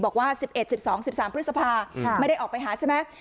บอกว่าสิบเอ็ดสิบสองสิบสามพฤษภาคมไม่ได้ออกไปหาใช่ไหม